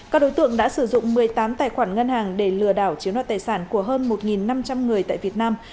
các đối tượng đã sử dụng một mươi tám tài khoản ngân hàng để lừa đảo chiếm đoạt tài sản của hơn một năm trăm linh người tại việt nam